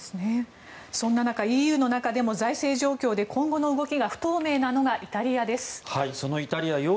そんな中、ＥＵの中でも財政状況で今後の動きが不透明なのがイタリアです。